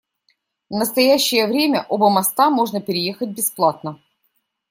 В настоящее время оба моста можно переехать бесплатно.